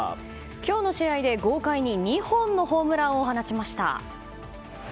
今日の試合で、豪快に２本のホームランを放ちました。